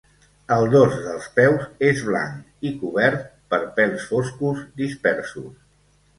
El dors dels peus és blanc i cobert per pèls foscos dispersos.